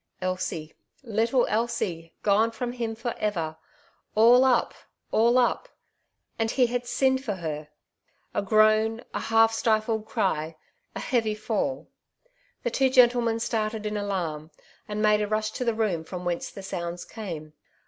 '' Elsie — little Elsie gone from him for ever ! All up, all up ! And he had sinned for her ?— a groan, a half stifled cry, a heavy fall ! The twx) gentlemen started in alarm, and made a rush to the room from whence the sounds came.